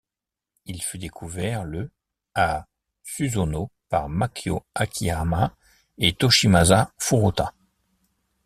Il fut découvert le à Susono par Makio Akiyama et Toshimasa Furuta.